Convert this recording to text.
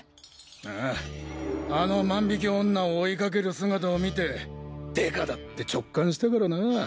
あああの万引き女を追いかける姿を見て刑事だって直感したからな。